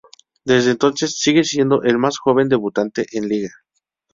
Desde entonces sigue siendo el más joven debutante en Liga.